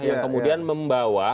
yang kemudian membawa